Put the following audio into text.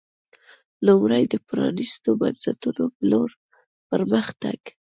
لومړی د پرانېستو بنسټونو په لور پر مخ تګ